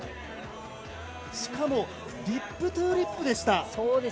しかもリップトゥリップでした。